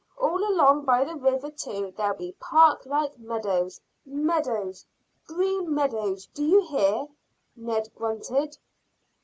All along by the river too there'll be park like meadows meadows green meadows. Do you hear?" Ned grunted.